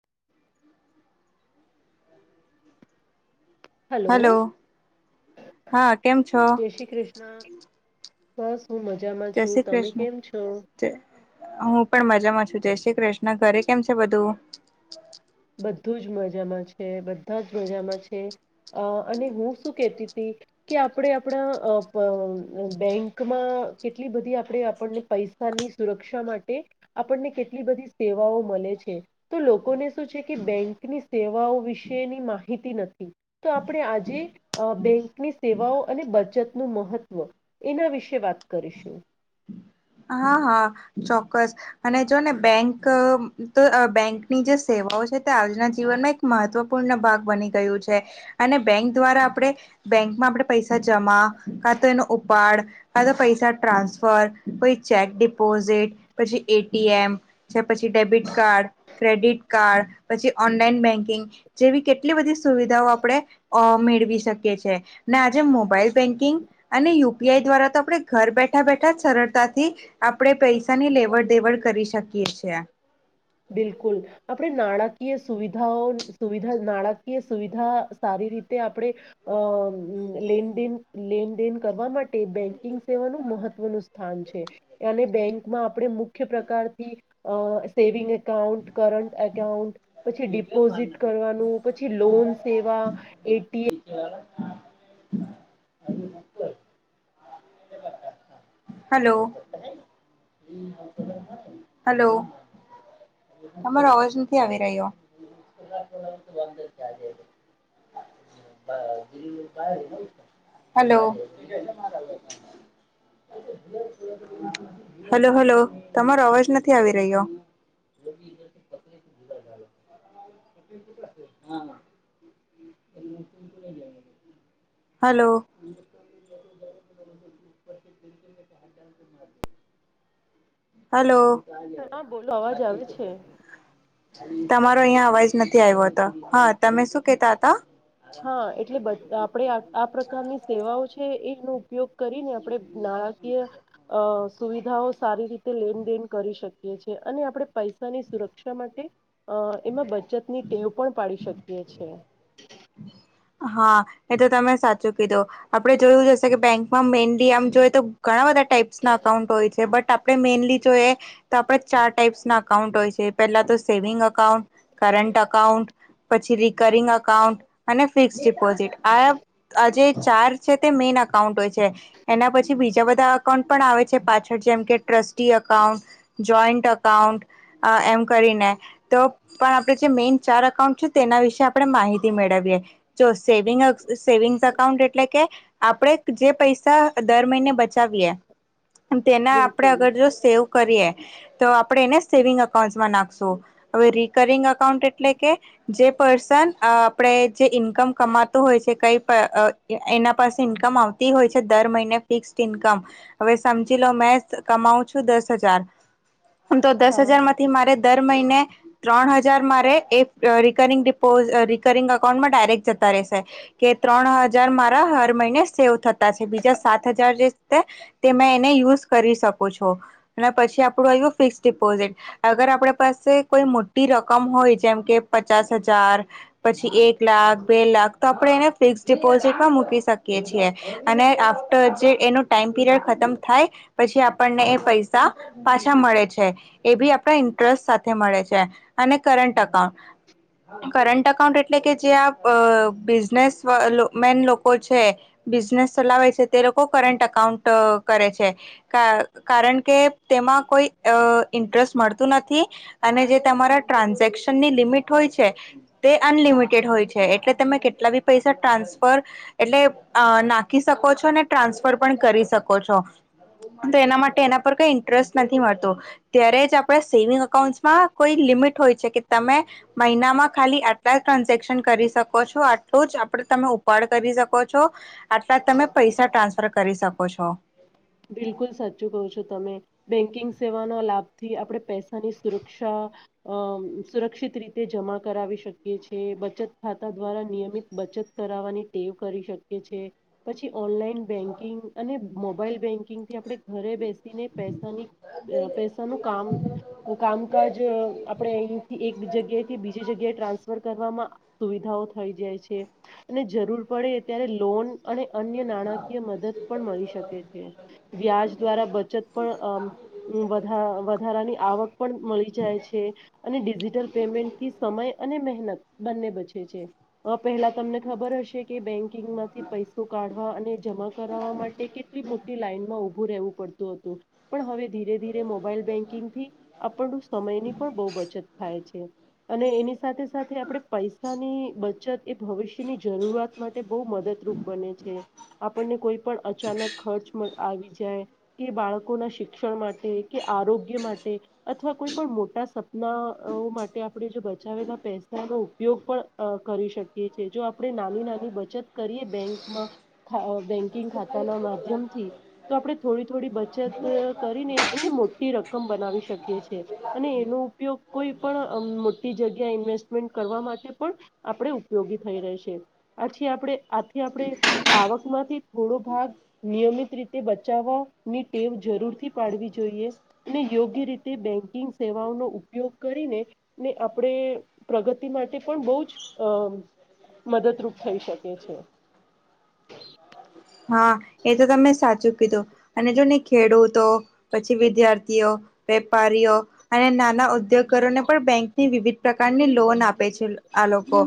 [inaudible] Hello હા કેમ છો જય શ્રી કૃષ્ણ બસ હું મજામાં જય છું શ્રી તમે કૃષ્ણ કેમ છો હું પણ મજામાં છું જય કૃષ્ણ ઘરે કેમ છે બધું બીજુ અને હું શું કેતી કે આપ આપ બેંકમાં કેટલી બધી આપણે આપણને પૈસાની સુરક્ષામાં આપણને કેટલી બધી સેવાઓ મળે છે તો લોકોને બેંકની સેવાઓ વિશેની માહિતી નથી તો આપણે આજે કની સેવાઓ અને બચતનુંું મહત્વ એના વિશે વાત કરીશું હા હા ચોક્કસ અને જો ને બેંક તો બેંકની જે સેવા જ જીવન એક મહત્વપૂર્ ભાગ બની ગયું છે અને બેંક દ્વારા આપ બેંકમાં આપે પૈસા જમા કા તો એનો ઉપાડ કા તો પૈસા ટ્રાન્સફર કો ચેક ડિપોઝિટ પછી એટીએમ છે પછી ડેબિટ કાર્ડ ક્રેડિટ કાર્ડ પછી ઓનલાઈન બેન્કિંગ જેવી કેટલી બધી સુવિધાઓ આપણે અ મેળવી શકીએ છે ને આજે મોબાઈલ બેંકિંગ અને યુપીઆઈ દ્વારા તો આપણે ઘર બેઠા બેઠા જ સરળતા થી આપણેે પૈસાની લેવડ દેવડ કરી શકીએ છેીએ બિલકુલ આપણે નાણાકીય સુવિધાઓ સુવિધ નાણાકીય સુવિધા સારી ર આપે લેનદેન કરવા માટે બેંકિંગ સેવાનું મહત્વનુંું સ્થાન છે અને બેંકમાં આપણે મુખ્ય પ્રકારથી સેવિંગ એકાઉન્ટ કરટ એકાઉન્ટ પછી ડિપોઝિટ કરવાનું પછી લોન સેવા એટીએમ હા હલો હલો તમારો અવાજ નથી આવી રહ્યો હલો હલો હલો તમારો અવાજ નથી આવી રહ્યો [inaudible] હ હલો હલો હ બોલો અવાજ આવે છે તમારો અહીં અવાજ નથી આવ્યો હતો હા તમે શું કેતા હતા હા એટલે બધા આપણે આ પ્રકારની સેવાઓ છે એનો ઉપયોગ કરીને આપડે નાણાકીય અ સુવિધાઓ સારી રીતે લેનદેન કરી શકીએ છે અને આપણે પૈસાની સુરક્ષા માટે એમાં બચતની ટેવ પણ પાડી શકીએ છે હા એ તો તમે સાચું કીધું આપડે જોયું જશે કે બેંકમાં મેનલી આમ જોય તો ઘણા બધા ટાઈપ્સ ના અકાઉન્ટ હોય છે બટ આપ આપણે મેનલી જોઈએ તો આપણેે ચાર ટાઈપ્સ ના અકાઉન્ટ હોય છે પેલા તો સેવિંગ અકાઉન્ટ કરનટ અકાઉન્ટ પછી રકરિંગ અકાઉન્ટ અને ફિક્સ ડિપોઝિટ આ આ જે ચાર છે તે મેઈન અકાઉન્ટ હોય છે એના પછી બીજા બધા અકાઉન્ટ પણ આવે છે પાછળ જેમ કે ટ્રસ્ટી અકાઉન્ટ જોઈન્ટ અકાઉન્ટ અ એમ કરીને તો પણ આપડે જે મેઈન ચાર અકાઉન્ટ છે તેના વિશે આપણે માહિતી મેળવી જો સેવિંગ અકાઉન્ટ એટલે કે આપણે જે પૈસા દર મહિને ને બચાવીએ તેના આપણેે બિલકુલ અગર જો સેવ કરીએ તો આપણે એને સેવિંગ અકાઉન્ટમાં નાખશું હવે રિકરિંગ અકાઉન્ટ એટલે કે જે પર્સન અ આપણે જે ઇન્કમ કમાતું હોય છે કઈપણ અ એના પાસે ઈન્કમ આવતી હોય છે દર મહિને ફિક્સ ઇન્કમ હવે સમજી લો મેં કમાવું છું દસ હજાર [inaudible] આમ તો દસ હા હજારમાંથી મારે દર મહિને ત્રણ હજાર મારે એ અ રિકરિંગ ડીપોઝ અ રિકરિંગ અકાઉન્ટમાં ડાયરેક જતા રેહશે કે ત્રણ હજાર મારા હર મહિને સેવ થતા છે બીજા સાત હજાર તે મે એને યુઝ કરી શકો છો અને પછી આપડું આવ્યું ફિક્સ ડિપોઝિટ અગર આપડે પાસે કોઈ મોટી રકમ હોય જેમ કે પચાસ હજાર પછી એક લાખ બે લાખ તો આપડે એને ફિક્સ ડિપોઝિટમાં મૂકી શકીએ છીએ અને આફ્ટર જે એનો ટાઈમ પીરિયડ ખતમ થાય પ પછી આપણને એ પૈસા પાછા મળે છે એ બી આપણા ઇન્ટરેસ્ટ સાથે મળે છે અ ને કરંટ અકાઉ કંરટ અકાઉન્ટ એટલે કે જે આ અ બિઝનેસમેન લોકો છે બિઝનેસ ચલાવે છે તે લોકો કંરટ અકાઉન્ટ કરે છે કા કારણ કે તેમાં કોઈ અ ઇન્ટરેસ્ટ મળતું નથી અને જે તમારા ટ્રાન્ઝેક્શનની લિમિટ હોય છે તે અનલિમિટ મેટ હોય છે એટલે તમે કેટલા બી પૈસા ટ્રાન્સફર એટલે અ નાખી શકો છો ને ટ્રા ટ્રાન્સફર પણ કરી શકો છો. તો એના માટે એના પર કઈ ઇન્ટરેસ્ટ નથી મળતો ત્યારે જ આપણે સેવિંગ અકાઉન્ટસમાં કોઈ લીમીટ હોય છે કે તમે મહિનામાં ખાલી આટલા ટ્રાન સેક્શન કરી શકો છો આટલું જ આપડે તમે ઉપાડ કરી શકો છો. આટલા તમે પૈસા ટ્રાન્સફર કરી શકો છો. બિલકુલ સાચું કહો છો તમે બેંકિંગ સેવાના લાભથી આપણે પૈસાની સુરક્ષા આ અમ સુરક્ષિત રીતે જમા કરાવી શકીએ છે બચત ખાતા દ્વારા નિયમિત બચત કરવાવાની ટેવ કરી શકીએ છે પછી ઓનલાઈન બેન્કિંગ અને મોબાઈલ બેન્કિંગથી આપણે ઘરે બેસ સીને પૈસાની અ પૈસાનું કામ કામકાજ આપણે અહીથી એક એક જગ્યાથી બીજી જગ્યાએ ટ્રાન્સફર કરવામાં સુવિધાઓ થઈ જાય છે. અને જરૂર પડે ત્યારે લોન અને અન્ય નાણાકીય મદદ પણ મળી શકે. છે વ્યાજ દ્વારા બચત પણ અમ વધા વધારાની આવક પણ મળી જાય. છે અને ડીજીટલ પેમેન્ટથી સમય અને મહેનત બંને બચે છે અ પેહલા તમને ખબર હશે કે બેંકિંગ માંથી પૈસો કાઢ હ અને જમા કરાવા માટે કેટલી મોટી લાઈનમાં ઉભું રહેવું પડતું હતું પણ હવે ધીરે ધીરે મોબાઈલ બેન્કિંગથી આપણું સમયની પણ બહુ બચત થાય છે. અને એની સાથે સાથે આપણે પૈસાની બચત એ ભવિષ્યની જરૂરત માટે બહુ મદદરૂપ બને છે આપણને કોઈપણ અચાનક આવી જાય કે બાળકોના શિક્ષણ માટે કે આરોગ્ય માટે અથવા કોઈ પણ મોટા સપનાઓ માટે આપણે જો બચાવેલા પૈસાનો ઉપયોગ પણ અ કરી શક કીએ છે જો આપણે નાની નાની બચત કરીએ બેંકમાં અ બેંકિંગ ખાતાના માધ્યમથી તો આપણે થોડી થોડી બચત કરીને એને મોટી રકમ બનાવી શકીએ છે. અને એનો ઉપયોગ કોઈ પણ મોટી જગ્યા ઇન્વેસ્ટમેન્ટ કરવા માટે પણ આપણેે ઉપયોગી થઈ રહેશે આથી આપણે આથી આપણે આવકમાંથી થોડો ભાગ નિયમિત રીતે બચાવવા ની ટેવ જરૂરથી પાડવી જોઈએ ને યોગ્ય રીતે બેંક કિંગ સેવાઓનો ઉપયોગ કરીને ને આપણે પ્રગતિ માટે પણ બહુ જ અ મદદરૂપ થઈ શકે છે. હા એ તો તમે સાચું કીધું અને જો ને ખેડૂતો પછી વિદ્યાર્થીઓ વેપારીઓ અને નાના ઉદ્યોગકારો ને પણ બેન્ક વિવિધ પ્રકારની લોન આપે છે આ લોકો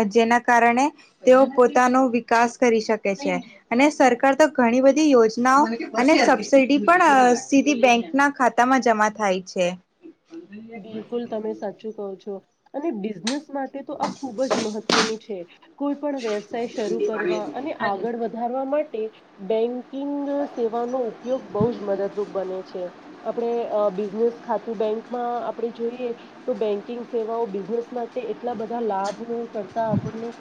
અ જેના કારણે તેઓ પોતાનું વિકાસ કરી શકે છે અને સરકાર તો ઘણી બધી યોજનાઓ અને સબસીિડી પણ સીધી બેંક ના ખાતા માં જમા થાય છે બિલકુલ તમે સાચું કહો છો અને બિઝનેસ માટે આ ખુબ જ મહત્વનું છે કોઈ પણ વ્યવસાય શરૂ કરવા અને આગળ વધારવામાં માટે બેંકિંગ સેવાનો ઉપયોગ બહ જ મદદરૂપ બને છે આપણે બિઝનેસ ખાતું બેંક આપે જોઈએ તો બેંકિંગ સેવાઓ બિઝનેસ માટે એટલા બધા લાભો કરતા આપણને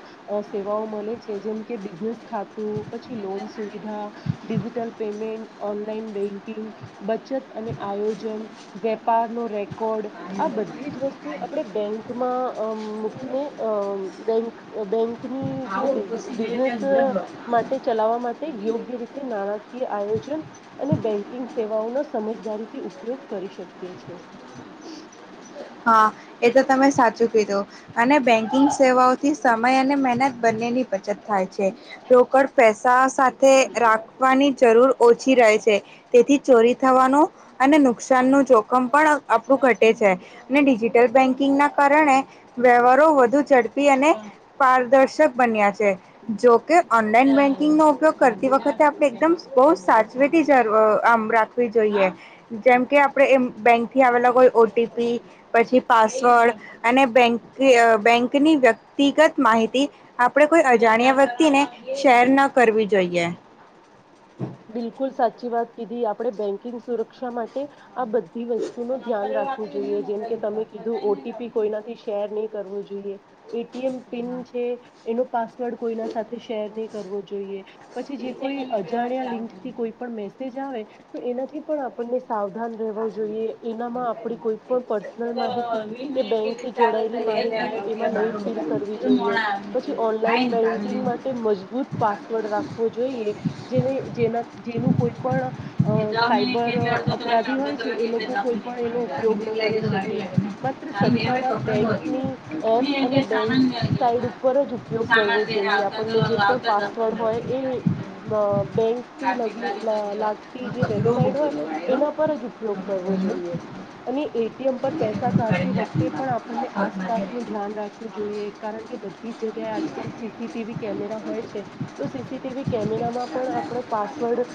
સેવાઓ મળે જે બ ખાતું પછી લોન સુવિધાિિટલ પેમેન્ટ ઓનલાન બચત અને આયોજન વેપારનો રેકોર્ડ આ બધી જ વસ્તુ આપણે બેંકમાં મૂકીને બેક બેંકની જે બિઝનેસ માટે ચલાવવા માટે યોગ્ય રી નાણાકીય આયોજન અને બેન્કિંગ સેવાઓનો સમજદારીથી ઉપયોગ કરી શકીએ છે હા એ તો તમે સાચું કીધું અને બેંકિંગ સેવાઓથી સમય અને મહેનત બંનેની પ થાય છે રોકડ પેસા સાથે રાખવાની જરૂર ઓછી રહે છે તેથી ચોરી થવાનું અને નુકસાન ન જોખમ પણ આપણું ઘટે છે અને ડિજિટલ બેન્કિંગના કારણે વ્યવહારો વધુ ઝડપી અને પારદર્શક બન્યા છે જો કે ઓનલાઈન બેંક બેન્કિંગ નોો ઉપયોગ કરતી વખતે આપણે એકદમ બહુ સાચવીથી જ આમ રાખવી જોઈએ જેમકે આપડે એ બેંક થી આવેલા કોઈ ઓટીપી પછી પાસવર્ડ અને બેંક બેંકની વ્યક્તિગત માહિતી આપણે કોઈ અજાણ્યા વ્યક્તિને શેર ન કરવી જોઈએ બિલકુલ સાચી વાત કીધી આપડે બેંકિંગ સુરક્ષા માટે આ બધી વસ્તુ નું ધ્યાન રાખવું જોઈએ જેમ કે તમે કીધું ઓટીપી કોઈનાથી શેર નહીં કરવો જોઈએ એટીએમ પિન છે એનો પાસવર્ડ કોઈના સાથે શેર નહી કરવો જોઈએ પછી જે કોઈ અજાણ્યા લિંકથી કોઈ પણ મેસેજ આવે તો એનાથી પણ આપણને સાવધાન જોઈએ એનામાં આપ કોઈ પણ પર્સનલ માહિતી કે બેંથી જોડાયેલી નલ જોઈ પછી ઓનલાઈન બેન્કિંગ માટે મજબૂત રાખવો જોઈએ જેને જેના જેનું કોઈ પણ [unintelligible] સાયબર અપરાધી હોય છે, એ લોકો કોઈ પણ એનો ઉપયોગ ન કરી શકે સત્તાવાર બેંકની એપ અને બેંક સાઈટ ઉપર જ ઉપયોગ કરવો જોઈએ. આપને જે પણ પાસવર્ડ હોય એ બેંકથી [inaudible] જે વેબસાઇટ હોય એના પર જ ઉપયોગ કરવો જોઈએ અને એટીએમ પર પૈસા [unintelligible] તી વખતે પણ આપણને આસપાસનું [unintelligible] ધ્યાન રાખવું જોઈએ કારણ કે બધી જ જગ્યાએ આજકાલ સીસી વી કેમેરા હોય છે, તો સીસીટીવી કેમેરામાં પણ આપડ પાસવર્ડ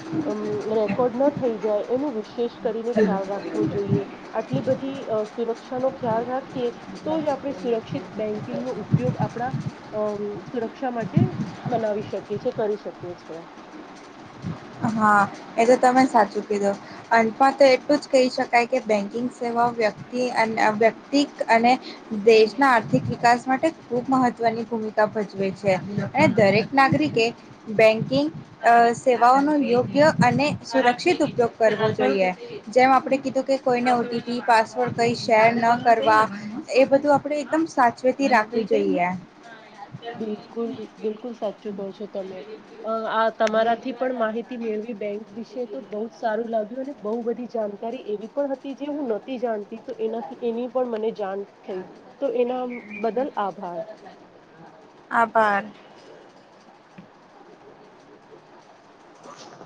ન થઈ જાય એનું વિશેષ કરીને ખ્યાલ રાખવો જોઈએ આટલી બધી સુરક્ષાનો. ખ્યાલ રાખીએ તો જ આપણે સુરક્ષિત બેંકિંગ નો ઉપયોગ આપણા સુરક્ષા. માટે બનાવી શકીએ છે, કરી [unintelligible] હા એ તો તમે સાચું કીધું અમાં તો [unintelligible] જ કહી શકાય કે બેંકિંગ સેવા. [unintelligible] અને દેશના આર્થિક વિકાસ માટે ખૂબ મહત્વની. ની ભૂમિકા ભજવે છે, અને દરેક નાગરિકે બેંકિંગે [inaudible] યોગ્ય અને સુરક્ષિત ઉપયોગ કરવો જોઈએ જેમ આપણે કીધું કે કોઈને [unintelligible] પાસવર્ડ કઈ શેર ન કરવા એ બધું આપડે એકદમ સાચવેતી રાખવું જોઈએ. બિલકુલ બિલકુલ સાચું કહો છો તમે આ તમારાથી પણ માહિતી મેળવી બેંક વિશે તો બહ જ સારું લાગ્યું બહુ બધી જાણકારી એવી પણ હતી જે હું નથીતી જાણતી તો એનાથી એની પણ મને જાણ. થઈ તો એના બદલ આભાર. આભાર.